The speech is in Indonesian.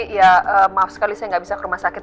ya maaf sekali saya nggak bisa ke rumah sakit